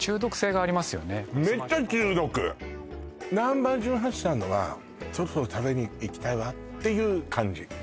めっちゃ中毒Ｎｏ．１８さんのはそろそろ食べに行きたいわっていう感じ